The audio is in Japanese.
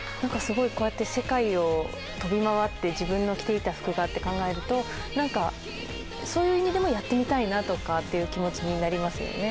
こうやって世界を飛び回って自分の着ていた服がって考えるとそういう意味でもやってみたいなっていう気持ちになりますよね